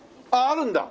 あるんだ！